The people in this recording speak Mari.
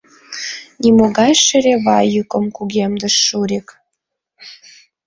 — Нимогай шерева! — йӱкым кугемдыш Шурик.